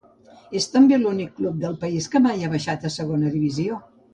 És també l'únic club del país que mai ha baixat a segona divisió.